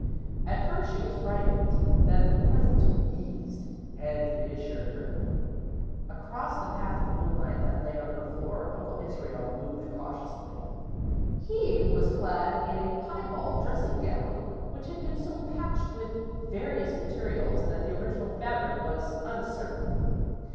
At first she was frightened, then the Presence wheezed, and reassured her. Across the path of moonlight that lay on her floor, Uncle Israel moved cautiously. He was clad in a piebald dressing gown which had been so patched with various materials that the original fabric was uncertain.